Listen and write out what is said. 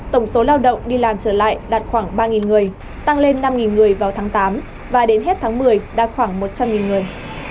tổng số lao động đi làm trở lại đạt khoảng ba người tăng lên năm người vào tháng tám và đến hết tháng một mươi đạt khoảng một trăm linh người